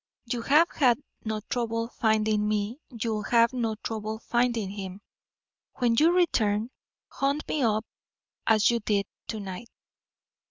You have had no trouble finding me; you'll have no trouble finding him. When you return, hunt me up as you did to night.